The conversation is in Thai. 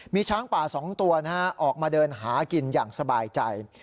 มีช้างป่า๒ตัวออกมาเดินหากินอย่างสบายใจ